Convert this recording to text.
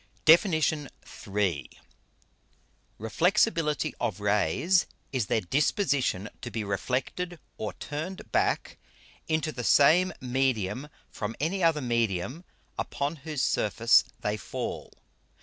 DEFIN. III. _Reflexibility of Rays, is their Disposition to be reflected or turned back into the same Medium from any other Medium upon whose Surface they fall.